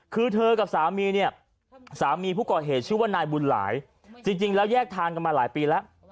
คือเธอกับสามีเนี่ยสามีผู้ก่อเหตุชื่อว่านายบุญหลายจริงแล้วแยกทางกันมาหลายปีแล้ว